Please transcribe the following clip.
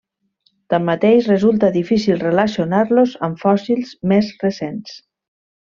Tanmateix, resulta difícil relacionar-los amb fòssils més recents.